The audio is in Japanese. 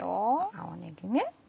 青ねぎね。